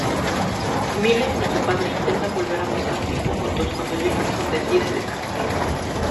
Miles y su padre intentan volver a pasar tiempo juntos, cuando Jefferson decide descansar.